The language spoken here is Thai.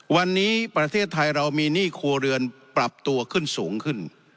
วันนี้ประเทศไทยเรามีหนี้ครัวเรือนปรับตัวขึ้นสูงขึ้น